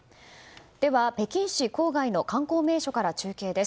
では、北京市郊外の観光名所から中継です。